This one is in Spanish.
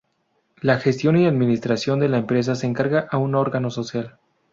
La gestión y administración de la empresa se encarga a un órgano social.